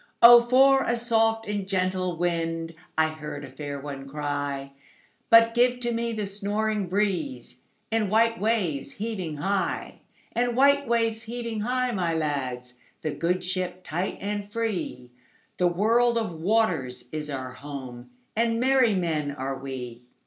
"O for a soft and gentle wind!"I heard a fair one cry:But give to me the snoring breezeAnd white waves heaving high; And white waves heaving high, my lads, The good ship tight and free—The world of waters is our home, And merry men are we.